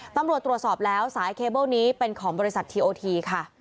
ตำรวจตรวจสอบแล้วสายเคเบิ้ลนี้เป็นของบริษัททีโอทีค่ะ